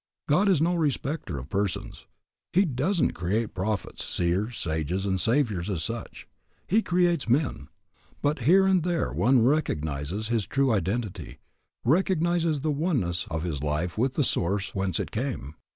God is no respecter of persons. He doesn't create prophets, seers, sages, and saviours as such. He creates men. But here and there one recognizes his true identity, recognizes the oneness of his life with the Source whence it came.